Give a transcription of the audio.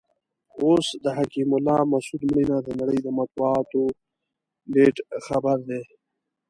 اوس د حکیم الله مسود مړینه د نړۍ د مطبوعاتو لیډ خبر دی.